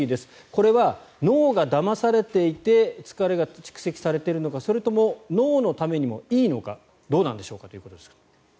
これは脳がだまされていて疲れが蓄積されているのかそれとも脳のためにもいいのかどうなんでしょうかということですが。